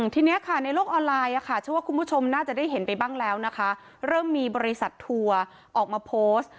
ทีนี้ค่ะในโลกออนไลน์เชื่อว่าคุณผู้ชมน่าจะได้เห็นไปบ้างแล้วนะคะเริ่มมีบริษัททัวร์ออกมาโพสต์